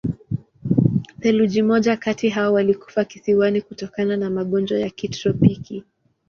Theluji moja kati hao walikufa kisiwani kutokana na magonjwa ya kitropiki.